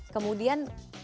kemudian apa yang kamu lakukan